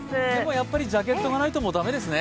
やっぱりジャケットがないと、もう駄目ですね。